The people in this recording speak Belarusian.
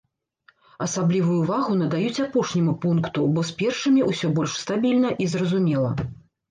Асаблівую ўвагу надаюць апошняму пункту, бо з першымі ўсё больш стабільна і зразумела.